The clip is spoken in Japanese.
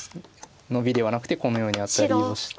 ノビではなくてこのようにアタリをして。